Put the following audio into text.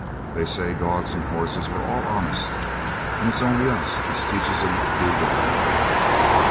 They say dogs and horses are all honest, and it's only us as teaches 'em to do wrong.